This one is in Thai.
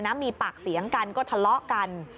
มีปากเสียงกันก็ทะเลาะกัน